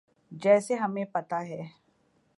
جیسے ہمیں پتہ ہے۔